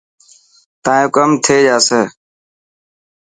تايو ڪم ٿي جاسي.